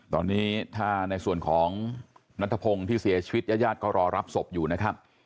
ตอนนี้ถ้าในส่วนของนัทพงศ์ที่เสียชีวิตญาติญาติก็รอรับศพอยู่นะครับ